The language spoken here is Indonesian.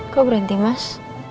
kok berhenti mas